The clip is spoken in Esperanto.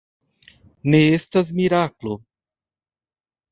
Ne estas miraklo.